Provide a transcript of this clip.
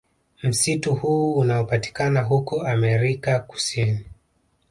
Msitu huu unaopatikana huko America kusini